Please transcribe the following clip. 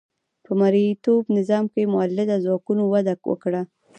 په مرئیتوب نظام کې مؤلده ځواکونو وده وکړه.